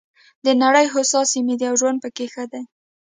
د نړۍ هوسا سیمې دي او ژوند پکې ښه دی.